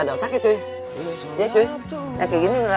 dari ketiga ya